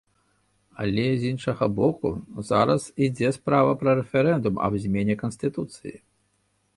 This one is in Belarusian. Але з іншага боку, зараз ідзе справа пра рэферэндум аб змене канстытуцыі.